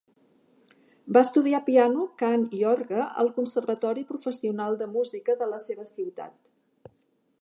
Va estudiar piano, cant i orgue al Conservatori Professional de Música de la seva ciutat.